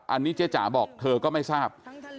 อันนี้เจ๊จ๋าบอกเธอก็ไม่ทราบ